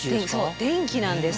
電気なんです。